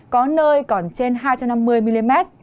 có nơi còn trên hai trăm năm mươi mm